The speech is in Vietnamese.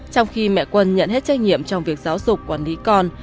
trong khi mẹ quân nhận hết trách nhiệm trong việc giáo dục quản lý con